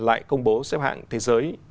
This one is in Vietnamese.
lại công bố xếp hạng thế giới